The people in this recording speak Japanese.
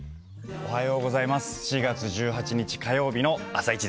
おはようございます。